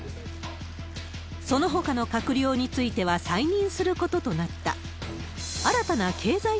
そのほかの閣僚については再任することとなった。